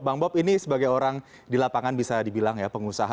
bang bob ini sebagai orang di lapangan bisa dibilang ya pengusaha